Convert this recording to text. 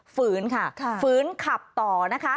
ฝืนค่ะฝืนขับต่อนะคะ